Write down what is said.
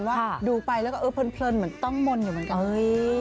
ว่าดูไปแล้วก็เออเพลินเหมือนต้องมนต์อยู่เหมือนกัน